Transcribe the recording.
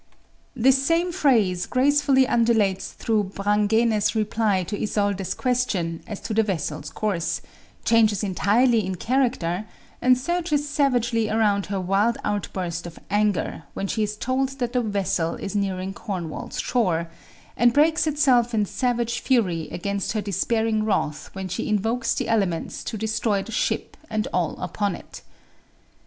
] This same phrase gracefully undulates through Brangäne's reply to Isolde's question as to the vessel's course, changes entirely in character, and surges savagely around her wild outburst of anger when she is told that the vessel is nearing Cornwall's shore, and breaks itself in savage fury against her despairing wrath when she invokes the elements to destroy the ship and all upon it.